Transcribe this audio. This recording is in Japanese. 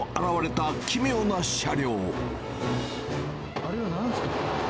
あれはなんですか？